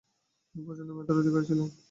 তিনি প্রচন্ড মেধার অধিকারী ছিলেন।